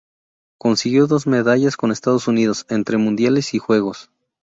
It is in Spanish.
Consiguió dos medallas con Estados Unidos, entre mundiales y Juegos.